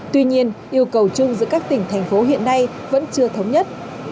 tuy nhiên yêu cầu chung giữa các tỉnh thành phố hiện nay vẫn chưa thống nhất